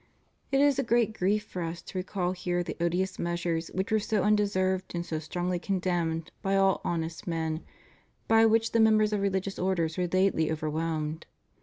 It is a great grief for Us to recall here the odious measures which were so undeserved and so strongly condemned by all honest men by which the members of religious orders were lately overwhelmed.